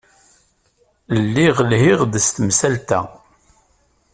Lliɣ lhiɣ-d s temsalt-a.